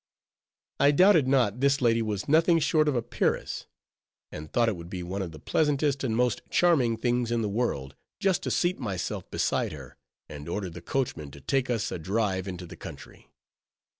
I doubted not, this lady was nothing short of a peeress; and thought it would be one of the pleasantest and most charming things in the world, just to seat myself beside her, and order the coachman to take us a drive into the country.